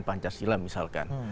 misalnya pancasila misalkan